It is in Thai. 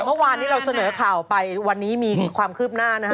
เมื่อวานที่เราเสนอข่าวไปวันนี้มีความคืบหน้านะฮะ